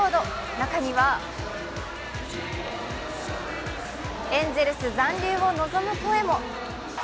中にはエンゼルス残留を望む声も。